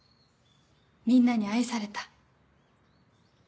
みんなに愛された。